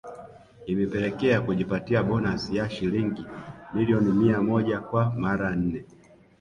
Imepelekea kujipatia bonasi ya shilingi milioni mia moja kwa mara nne